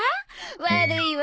悪いわ！